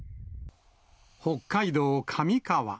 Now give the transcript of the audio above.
北海道上川。